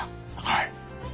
はい。